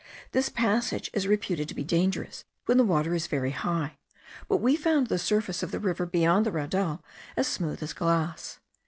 This passage is reputed to be dangerous when the water is very high; but we found the surface of the river beyond the raudal as smooth as glass.